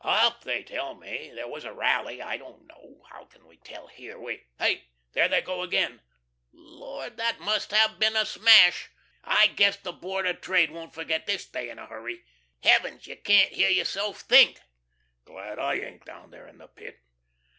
"Up, they tell me. There was a rally; I don't know. How can we tell here? We Hi! there they go again. Lord! that must have been a smash. I guess the Board of Trade won't forget this day in a hurry. Heavens, you can't hear yourself think! "Glad I ain't down there in the Pit."